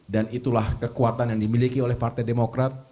dan itulah kekuatan yang dimiliki oleh partai demokrat